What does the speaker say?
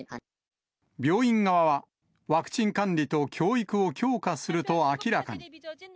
病院側は、ワクチン管理と教育を強化すると明らかに。